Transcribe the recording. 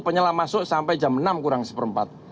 penyelam masuk sampai jam enam kurang seperempat